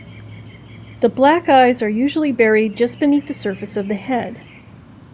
The black eyes are usually buried just beneath the surface of the head.